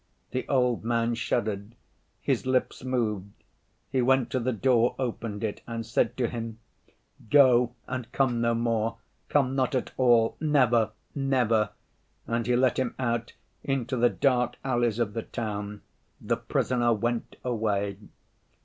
The old man shuddered. His lips moved. He went to the door, opened it, and said to Him: 'Go, and come no more ... come not at all, never, never!' And he let Him out into the dark alleys of the town. The Prisoner went away."